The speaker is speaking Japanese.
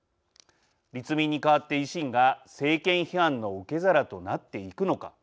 立民に代わって維新が政権批判の受け皿となっていくのか。